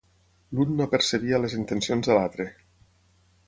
L'un no apercebia les intencions de l'altre.